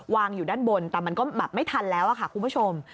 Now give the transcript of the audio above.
อยู่ด้านบนแต่มันก็แบบไม่ทันแล้วค่ะคุณผู้ชม